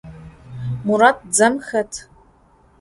Murat dzem xet.